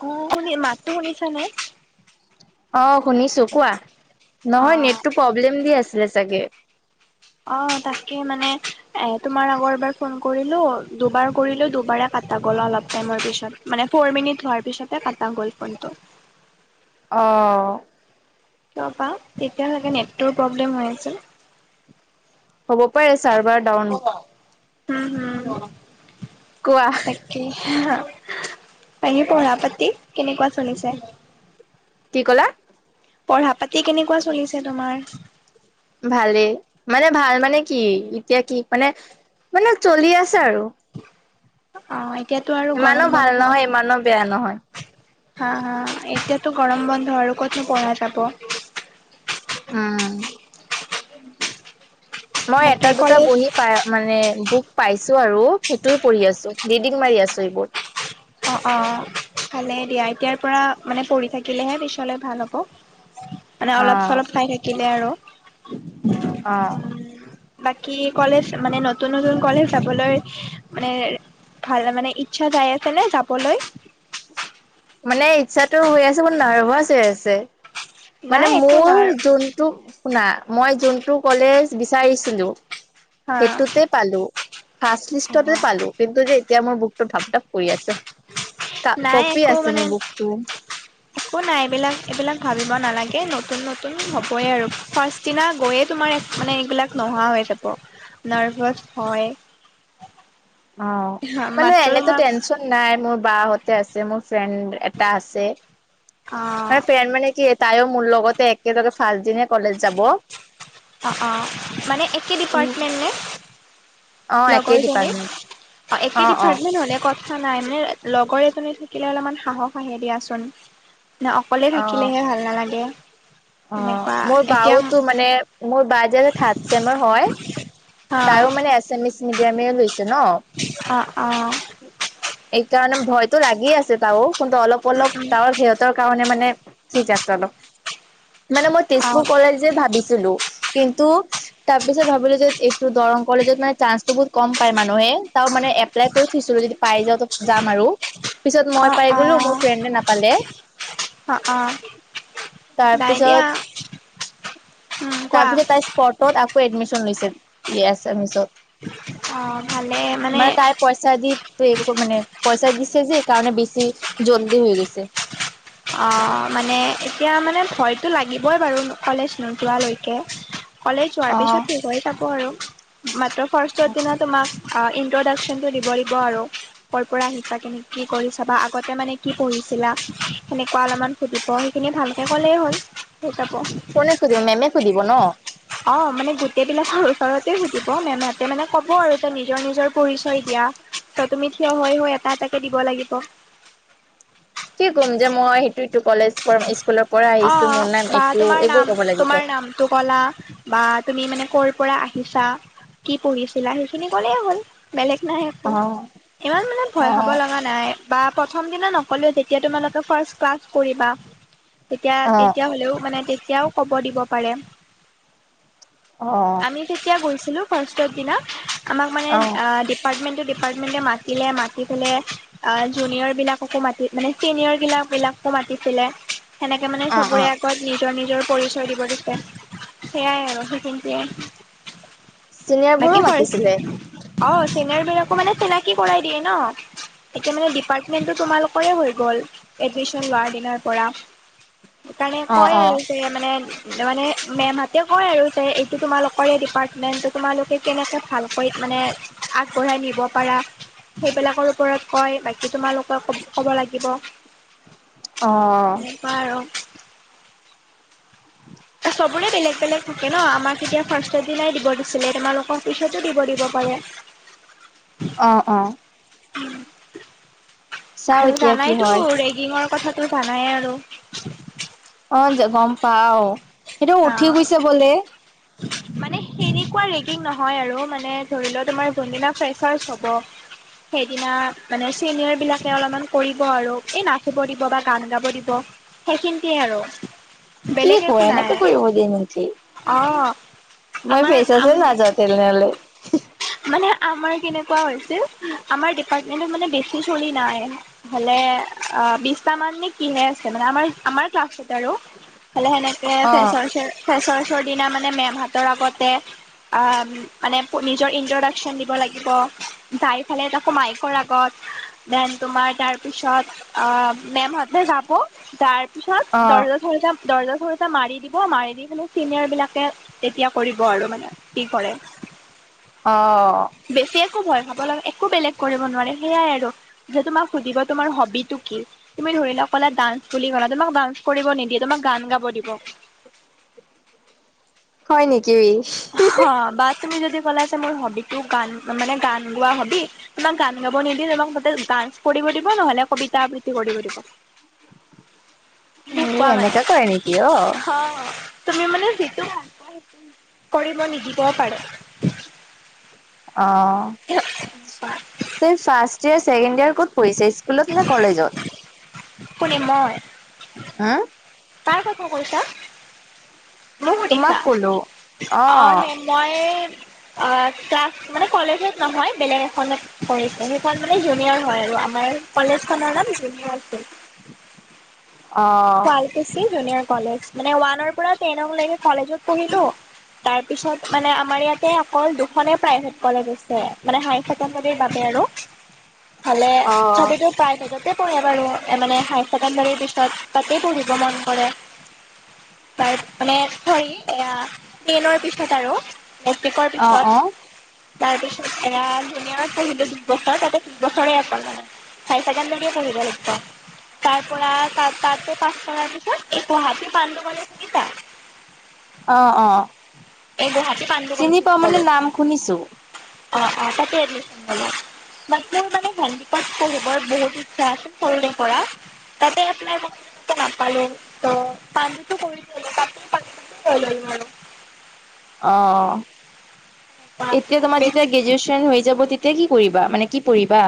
অ শুনি মাতো শুনিছে নাই। অ শুনিছো কোৱা, নহয় নেট অ'। টো প্ৰব্লেম দি আছিলে চাগে। অ তাকে মানে এ তোমাৰ আগৰ এবাৰ ফোন কৰিলো দুবাৰ কৰিলো দুবাৰে কাটা গ'ল অলপ টাইমৰ পিছত মানে ফ'ৰ মিনিট হোৱাৰ পিছতে কাটা গ'ল ফোনটো। অ। তাৰ পৰা তেতিয়ালৈকে নেট টোৰ প্ৰব্লেম হৈ আছিল। হ'ব পাৰে চাৰ্ভাৰ ডাউন। হম হম। কোৱা। তাকে। বাকী পঢ়া পাতি কেনেকুৱা চলিছে? কি ক'লা? পঢ়া পাতি কেনেকুৱা চলিছে তোমাৰ? ভালেই, মানে ভাল মানে কি এতিয়া কি মানে মানে চলি আছে আৰু। অঁ এতিয়াতো আৰু ইমানো গৰম ভাল বন্ধ হা নহয় ইমানো বেয়া নহয় হা, এতিয়াতো গৰম বন্ধ আৰু কতনো পঢ়া যাব। উম। মই বাকী এটা দুটা কলেজ বহি মানে বুক পাইছো আৰু সেইটোয়ে পঢ়ি আছো, ৰিডিং মাৰি আছো এইবোৰ। অঁ অঁ ভালে দিয়া, এতিয়াৰ পৰা মানে পঢ়ি থাকিলেহে পিছলে ভাল হ'ব। মানে অ অলপ অলপ চাই থাকিলে আৰু। অ'। বাকী কলেজ মানে নতুন নতুন কলেজ যাবলৈ মানে ভাল মানে ইচ্ছা যাই আছে নে যাবলৈ? মানে ইচ্ছাতো হৈ আছে বহুত নাৰ্ভাছ হৈ আছে। মানে নাই একো মোৰ নাই যোনটো শুনা মই যোনটো কলেজ বিচাৰিছিলোঁ হা। সেইটোতে পালো, ফাৰ্ষ্ট লিষ্টতে পালো। কিন্তু যে এতিয়া মোৰ বুকটো ঢপ ঢপ কৰি আছে, কা নাই কপি একো আছে মানে মোৰ বুকুটো। একো নাই এইবিলাক এইবিলাক ভাবিব নালাগে নতুন নতুন হ'বই আৰু ফাৰ্ষ্ট দিনা গৈয়ে তোমাৰ মানে এইবিলাক নোহোৱা হৈ যাব নাৰ্ভাচ, ভয়। অঁ, মানে এনেতো তোমাক টেনচন নাই মোৰ বা‌ হ‍ঁতে আছে। ফ্ৰেণ্ড এটা আছে, অ', মানে ফ্ৰেণ্ড মানে কি তাইও মোৰ লগতে একেলগে ফাৰ্ষ্ট দিন কলেজ যাব। অঁ অঁ, মানে একে উম ডিপাৰ্টমেণ্ট নে? অ একেই লগৰ জনীৰ ডিপাৰ্টমেন্ট অ' একে ডিপাৰ্টমেণ্ট হ'লে ক থা নাই মানে লগৰ এজনী থাকিলে অলপমান সাহস আহে দিয়াচোন। না অকলে অ থাকিলেহে ভাল নালাগে। এনেকুৱা অ' মোৰ এতিয়া বাওটো মানে মোৰ বা যে থাৰ্ড চেমৰ হয়। অ তাইও মানে এছএমিছ মিডিয়ামে লৈছে ন। অঁ অঁ। এইকাৰণে ভয়টো লাগি আছে তাইৰো কিন্তু, অলপ অলপ উম তাইৰ হেঁ তৰ কাৰণে মানে ঠিক আছে অলপ মানে মই উম অ তেজপুৰ কলেজ তে ভাবিছিলো কিন্তু তাৰ পিছত ভাবিলো যে এইটো দৰং কলেজত মানে চান্সটো বহুত কম পায় মানুহে, চাও মানে এপ্লাই কৰি থৈছিলো যদি পাই যাওঁ যাম আৰু। পিছত মই অ পাই অ গলো মোৰ ফ্ৰেণ্ডে নাপালে। অ অ নাই দিয়া তাৰপিছত, উম কোৱা। কিন্তু তাই স্কটত আকৌ এডমিচন লৈছে এছএমিছত। অঁ ভালে, মানে পইচা দি পে মানে পইচা দিছে যে এইকাৰণে বেছি জল্দি হৈ গৈছে। অঁ মানে এতিয়া মানে ভয়টো লাগিবই বাৰু কলেজ নোযোৱালৈকে। কলেজ যোৱাৰ অ পিছত ঠিক হৈ‌ যাব আৰু মাত্ৰ ফাৰ্ষ্টৰ দিনা তোমাক আ ইন্ট্ৰডাকচনটো দিব লাগিব আৰু। কৰ পৰা আহিছা কেনে কি কৰিছা বা আগতে মানে কি পঢ়িছিলা। সেনেকুৱা অলপমান শুধিব সেইখিনি ভালকে ক'লেই হ'ল, হৈ যাব। কোনে সুধিব মেমে সুধিব ন। অঁ মানে গোটেই বিলাকৰ ওচৰতে সুধিব মেম'। তিয়া মানে কব আৰু তে নিজৰ নিজৰ পৰিচয় দিয়া, ত তুমি থিয় হৈ হৈ এটা এটাকে দিব লাগিব। কি ক'ম যে মই সেইটো সেইটো কলেজ ফ্ৰম স্কুলৰ পৰা আহিছো অ', মোৰ নাম এইটো এইবোৰ কব লাগিব। টো ক'লা বা তুমি মানে ক'ৰ পৰা আহিছা। কি পঢ়িছিলা সেইখিনি ক'লেই হ'ল। বেলেগ নাই একো, অ', ইমান মানে ভয় খাব অ', লগা নাই। বা প্ৰথম দিনা নকলেও যেতিয়া তোমালোকে ফাৰ্ষ্ট ক্লাছ কৰিবা। তেতিয়া অ', তেতিয়া হ'লেও মানে তেতিয়াও কব দিব পাৰে। অঁ আমি তেতিয়া গৈছিলোঁ ফাৰ্ষ্টৰ দিনা, আমাক মানে আ অ', তে ডিপাৰ্টমেণ্টটো ডিপাৰ্টমেণ্টে মাতিলে, মাতি পেলে আঁ জুনিয়ৰ বিলাককো মাতি মানে চিনিয়ৰ বিলাক বিলাকো মাতিছিলে। সেনেকে মানে অ', চবৰে অ'। আগত নিজৰ নিজৰ পৰিচয় দিব দিছে, সেয়াই আৰু সেইখিন্টিয়ে। চিনিয়ৰ বোৰো বাকী ফাৰ্ষ্ট মাতিছিলে অঁ চিনিয়ৰবিলাকো মানে চিনাকি কৰাই দিয়ে ন। এতিয়া মানে ডিপাৰ্টমেণ্ট‌টো তোমালোকৰে হৈ গ'ল এডমিছন লোৱাৰ দিনাৰ পৰা। সেইকাৰণে অ', কয় আৰু। অ', সেয়ে মানে মানে মেমহঁতে কয় আৰু যে এইটো তোমালোকৰে ডিপাৰ্টমেণ্ট। তোমালোকে কেনেকে ভাল কৰি মানে আগবঢ়াই নিব পাৰা। সেইবিলাকৰ ওপৰত কয় বাকী তোমালোক ক'ব লাগিব। অঁ [unintelligible] [inaudible] চবৰে বেলেগ বেলেগ থাকে ন, আমাক এতিয়া ফাৰ্ষ্ট এদিনাই দিব দিছিলে, তোমালোকৰ পিছতো দিব দিব পাৰে। অঁ অঁ চাও আৰু এতিয়া কি জানাইতটো হয় ৰেগিঙৰ কথাতটো জানাই আৰু। অঁ যে গম পাওঁ। অঁ মানে সেনেকুৱা ৰেগিং নহয় আৰু, মানে ধৰি লোৱা তোমাৰ যোনদিনা ফ্ৰেছাৰ্ছ হ'ব। সেইদিনা মানে চিনিয়ৰ বিলাকে অলপমান কৰিব আৰু এই নাচিব দিব বা গান গাব দিব। সেইখিনতেয়ে আৰু, কি বেলেগ কোৱা একো এনেকে নাই। কৰিব দিয়ে নেকি? অ মই ফ্ৰেছাৰ্ছ আমাৰ নাযাওঁ তেনেহলে। মানে আমাৰ কেনেকুৱা হৈছিল, আমাৰ ডিপাৰ্টমেণ্ট মানে বেছি ছোৱালি নাই। হলে অঁ বিশটা মান নি কিহে আছে মানে আমাৰ আমাৰ ক্লাছত। আৰু হলে সেনেকে অ', ফেশ্বন চ ফ্ৰেছাৰ্ছৰ দিনা মানে মেম হঁতৰ আগতে অঁ মানে প নিজৰ ইন্ট্ৰডাকচন দিব লাগিব, যাই ফালে তাকো মায়কৰ আগত। দেন তোমাৰ তাৰ পিছত অঁ মেমহ হতে যাব তাৰ। পিছত অ', দৰ্জা চৰ্জা চৰ্জা মাৰি দিব, মাৰি দি কিনে মানে চিনিয়ৰ বিলাকে তেতিয়া কৰিব আৰু মানে কি কৰে? অঁ বেছি একো ভয় খাব লাগে একো বেলেগ কৰিব নোৱাৰে সেইয়াই আৰু। যে তোমাক সুধিব তোমাৰ হবিটো কি? তুমি ধৰি লওক ক'লে ডান্স বুলি ক'লা তোমাক ডান্স কৰিব নিদিয়ে তোমাক গান গাব দিব। হয় নেকি? হা বা তুমি যদি ক'লা যে, মোৰ হবিটো গান মানে গান গোৱা হবি। তোমাক গান গাব নিদিয়ে, তোমাক তাতে ডান্স কৰিব দিব নহ'লে কবিতা আবৃত্তি কৰিব দিব মোক এ কোৱা মানে এনেকা কৰে নেকি অ', অ'। তুমি মান যিটো [unintelligible] কৰিব নিদিবও পাৰে। অ', তুমি ফাৰ্ষ্ট ইয়োৰ চছেকেণ্ড ইয়াৰ ক'ত পঢ়িছে? স্কুলত নে কলেজত? কোনে মই? উম। কাৰ কথা কৈছা? মোক তোমাক সুধিছা? কলো অ', সেই মই অ', ক্লাছ মানে কলেজত নহয়, বেলেগ এখনত পঢ়িছে সেইখন মানে জুনিয়ৰ হয়, আৰু আমাৰ কলেজ খনৰ নাম জুনিয়াৰ আছিল। অ'। [unintelligible] জুনিয়ৰ কলেজ মানে ওৱানৰ পৰা টেন লৈকে কলেজত পঢ়িলো। তাৰ পিছত মানে আমাৰ ইয়াতে অকল দুখনে প্ৰাইভেট কলেজ আছে, মানে হাই চেকেণ্ডেৰীৰ বাবে আৰু। ইফালে অ চবেতো প্ৰাই [unintelligible] পঢ়ে বাৰু মানে হায়াৰ ছেকেণ্ডাৰী পিছত। তাতেই পঢ়িব মন কৰে। বাৰ মানে চৰি এইয়া টেনৰ পিছত আৰু। মেট্ৰিকৰ অ পিছত। অ তাৰ পিছত এয়া জুনিঅৰত পঢ়িলো দুবছৰ তাতে দুবছৰে অকল মানে। হাই চছেকেণ্ডাৰীয়ে পঢ়িব লাগিব তাৰ পৰা তাত তাত তাতে পাঁচ কৰা পিছত, এই গুৱাহাটী পাণ্ডু কলেজ শুনিছা? অ', অ', এই গুৱাহাটী পাণ্ডু চিনি কলেজত পাও মানে গ'লো নাম শুনিছো। অ', অ', তাতে এডমিশ্যন ললোঁ। বাত মোৰ মানে হেন্দিকত পঢ়িবৰ বহুত ইচ্ছা আছিল সৰুৰে পৰা। তাতে এপ্লাই কৰোতেটো নাপালো ত' পাণ্ডটো কৰি থলোঁ [unintelligible] লৈ ললোঁ আৰু। অ', অ', এতিয়া তোমাৰ যেতিয়া বেছি গ্ৰেজুৱেচন হৈ যাব তেতিয়া কি কৰিবা মানে কি পঢ়িবা?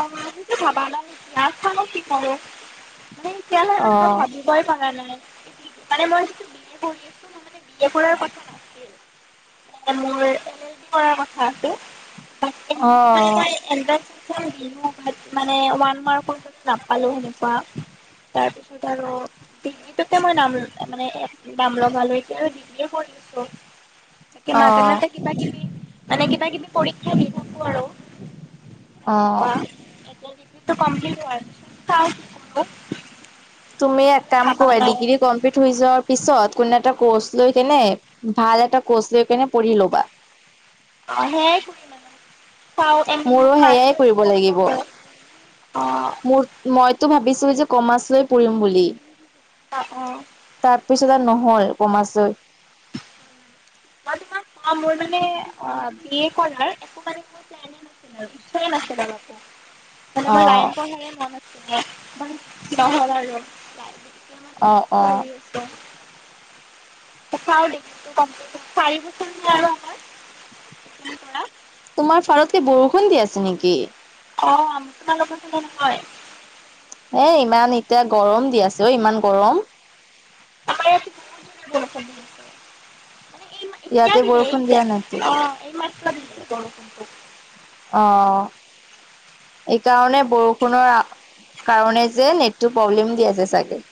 অ', আমিতো ভাবা নাই নাজানো কি কৰো মানে এতিয়ালে অ সেনেকে ভাবি বই পৰা নাই মানে মই যিটো ডিগ্ৰী কৰি আছো মোৰ মানে বিয়ে কৰাৰ কথা নাছিল। মোৰ এল এল বি কৰা কথা আছে। অ'। [unintelligible] [unintelligible] মানে ওৱান মাৰ্কৰ কাৰণে নাপালো সেনেকুৱা। তাৰপিছত আৰু ডিগ্ৰীটোতে মই নাম মানে নাম লগালোঁ এতিয়া আৰু ডিগ্ৰীয়ে পঢ়ি আছোঁ। তাকে অ মাজ মাজ কিবা কিবি মানে কিবা কিবি পৰীক্ষা দি থাকো আৰু। অ [unintelligible] এতিয়া ডিগ্ৰীটো কম্প্লিট হোৱা পিছত চাও কি কৰোঁ। তুমি এক কাম কৰা ডিগ্ৰী কমপ্লিত হৈ যোৱাৰ পিছত কোনো এটা কৰ্চ লৈ কেনে ভাল এটা কৰ্চ লৈ কেনে পঢ়ি ল'বা। অ', সেইয়াই কৰিম আৰু। মোৰো সেয়াই কৰিব লাগিব অ', মোৰ। মইতো ভাবিছিলোঁ যে কমাৰ্চ লৈ পঢ়িম বুলি। অহ অহ। তাৰপিছত আৰু নহ'ল কমাৰ্চ লৈ। উম মই তোমাক তোমাৰ মোৰ মানে অহ বি এ কৰাৰ একো মান মোৰ। চেইম আছে‌ তাত তাতে মই অ', লাইন পঢ়িম। ন নহল আৰু অ', তাই অ', পঢ়ি আছোঁ। দে চাৰি বছৰ ন আৰু আমাৰ [unintelligible] তোমাৰ ফালকে বৰষুণ দি আছে নেকি। অহ আপোনালোকে চোন কয় এই ইমান এতিয়া গৰম দি আছেঔ ইমান গৰম। আমাৰ ইয়াত বিৰাদ জোৰকে বৰষুণ দি দিছে মানে এই ইয়াতে এতিয়া বৰষুণ দিলে দিয়া এই নাইতো। যে অহ এই মাএ দি দিছে। অহ এই কাৰণে বৰষুণৰ অহ কাৰণে নেট টো প্ৰব্লেম দি আছে চাগে।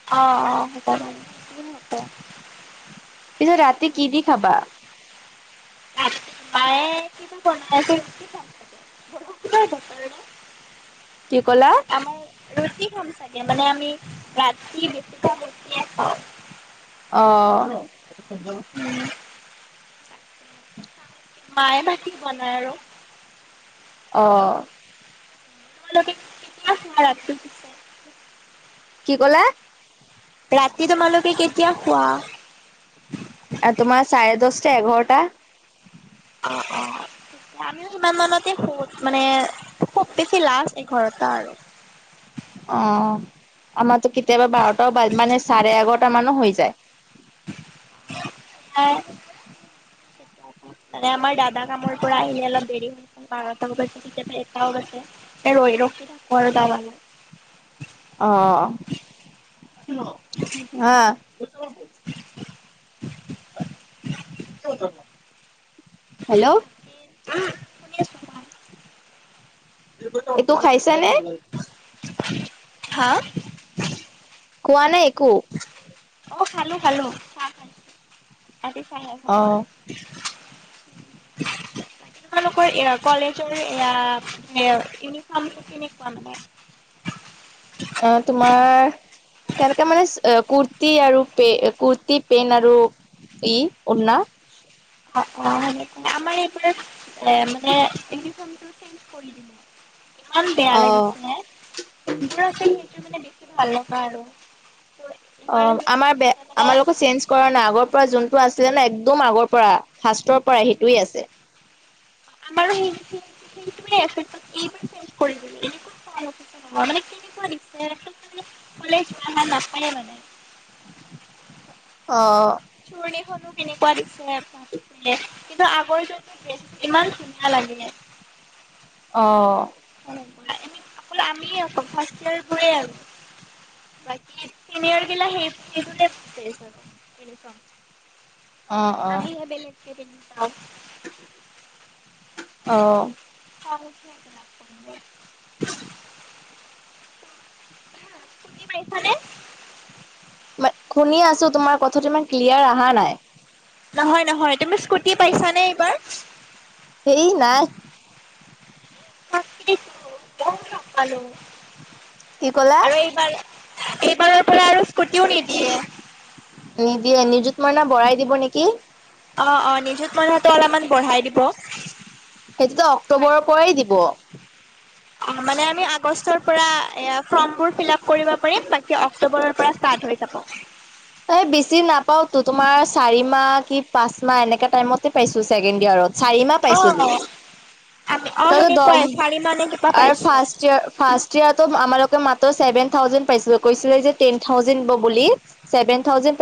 অহ অহ সেইকাৰণে। পিছত ৰাতি কি দি খাবা। ভাত মায়ে কিবাৰ বনাই আছে। কি ক'লা? [unintelligible] আমা ৰুটি খাম চাগে মানে আমি ৰা কি বেছিক কুটি আছ। অহ উম মায়ে বা কি বনাই আৰু। অহ। তোমালোকে কিমান শুৱা ৰাতিটো। কি ক'লা। ৰাতি তোমালোকে কেতিয়া শুৱা। ‌এ তোমাৰ চাৰে দচটা এঘাৰটা। অহ অহ। আমিও সিমান মানতে শুও মানে খুব বেছি লাজ এই ঘৰত আৰু অহ আমাতো কেতিয়াবা বাৰটাও মানে চাৰে এঘাৰটা মানো হৈ যায়। হয় মানে আমাৰ দাদা কামৰ পৰা আহি অলপ দেৰি হৈ বাৰটা বজাত কেতিয়াবা এটাও বাজে। এ ৰৈ ৰো থাকো আৰু দাদলে অহ অহ এহ হেল্ল' উম। ভেকোৰিটো এইটো খাইছ নে। হা কোৱা নাই একো। অহ খালোঁ খালোঁ চাহ খাই গাখীৰ চাহে খালোঁ অ', বাৰু। [unintelligible] তোমালোকৰ এয়া কলেজৰ এয়া ইউনিফৰ্ম কেনেকুৱা মানে। [unintelligible] অ তোমাৰ - কেনেকাে মানে কুৰ্তি আৰু পে কুৰ্তি পেন আৰু ই - অ অ সেনে আমাৰ এইবোৰ এ মানে ইনিফৰ্মটো - চেঞ্জ কৰি দিলে। ইমান বেয়া অ', লাগিছে বন্ধুৰ আছিল সেইটো মানে বেছি ভাল লগা আৰু। অ এইবাৰ যোনযোৰ আমাৰ দিছে বেয়া মানে আমাৰ লগত - কৰা না, আগৰ পৰা যোনটো আছিলে ন একদম আগৰ পৰা ফাষ্টৰ পৰা সেইটোৱে আছে। আমাৰ সেই সেইটোৱে আছিল, এইবাৰ চেঞ্চ কৰি দিলে। মানে কেনেকুৱা [unintelligible] নাপায় মানে অ। চোৰণীখনো কেনেকুৱা দিছে এখন। কিন্তু আগৰি জোনটো ড্ৰেছ ইমান ধুনীয়া লাগিলে। অ। এনেকুৱা এনেকুৱা অকল আমিয়ে আৰু ফাৰ্ষ্ট ইয়েৰবোৰে আৰু। বাকী চিনিয়ৰ বিলাক সেই সেইবোৰেই ড্ৰেছ আক। পিছত, অ', অ', আমিহে বেলেগকে দেখি পাওঁ। অ। [unintelligible] স্কুটি পাইছা নে? ম শুনি আছো তোমাৰ কথাটো ইমান ক্লিয়াৰ অহা নাই। নহয় নহয় তুমি স্কুটি পাইছানে এইবাৰ? সেই নাই। [unintelligible] কি ক'লা? আৰু এইবাৰ, এইবাৰৰ পৰা আৰু স্কুটিও নিদিয়ে। নিদিয়ে নিযুত মাইণা বঢ়াই দিব নেকি? অ অ নিজুত মইণাটো অলপমান বঢ়াই দিব। সেইটোতো অক্টোবৰৰ পৰাই দিব। অ মানে আমি আগষ্টৰ পৰা এ ফৰ্মবোৰ ফিল আপ কৰিব পাৰিম বাকী অক্টোবৰৰ পৰা - ষ্টাৰ্ট হৈ যাব। এই বেছি নাপাওঁটো তোমাৰ চাৰি মাহ কি পাঁচ মাহ এনেকা টাইমতে পাইছো ছেকেণ্ড ইয়াৰত চাৰি মাহ- অ পাইছিলো আমি অ তই সেনেকুৱাই চাৰি মাহনে কিবা পাইছোঁ। তে ফাৰ্ষ্ট ইয়েৰটো আমালোকে মাত্ৰ ছেভেন থাউজেণ্ড পাইছিলোঁ কৈছিলে যে টেন থাউজেণ্ড দিব বুলি- ছেভেন থাউজেণ্ড পে-